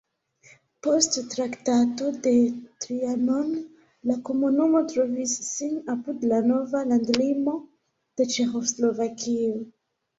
Post Traktato de Trianon la komunumo trovis sin apud la nova landlimo de Ĉeĥoslovakio.